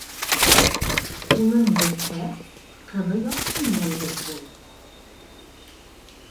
Улың етһә, ҡыҙы яҡшы менән дуҫ бул